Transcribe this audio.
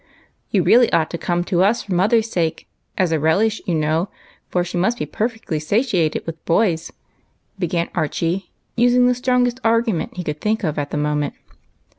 " You really ought to come to us for mother's sake, as a relish, you know, for she must be perfectly satiated with boys," began Archie, using the strongest argu ment he could think of at the moment.